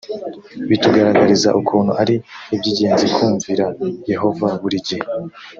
bitugaragariza ukuntu ari iby ingenzi kumvira yehova buri gihe